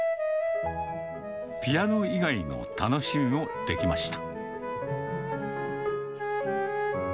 ピアノ以外の楽しみもできました。